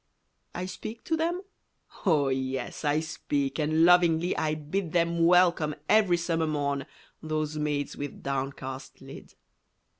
I speak to them? Oh, yes, I speak And lovingly I bid Them welcome every summer morn, Those maids with downcast lid!